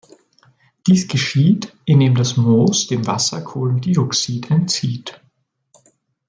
Dies geschieht, indem das Moos dem Wasser Kohlendioxid entzieht.